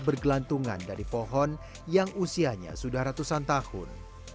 bergelantungan dari pohon yang usianya sudah ratusan tahun